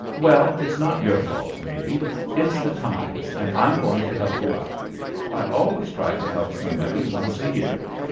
Well, it's not your fault, maybe. It's the times, and I'm going to help you out. I always try to help somebody once a year.